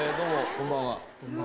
こんばんは。